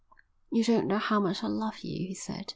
"You don't know how much I love you," he said.